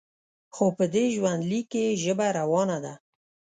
خو په دې ژوندلیک کې یې ژبه روانه ده.